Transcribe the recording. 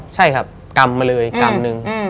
ใช่ครับกำมาเลยกำนึง